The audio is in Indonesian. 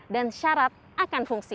dan syarat akan fungsi